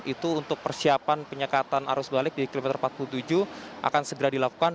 itu untuk persiapan penyekatan arus balik di kilometer empat puluh tujuh akan segera dilakukan